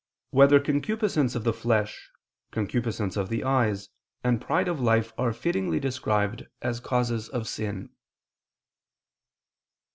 5] Whether Concupiscence of the Flesh, Concupiscence of the Eyes, and Pride of Life Are Fittingly Described As Causes of Sin?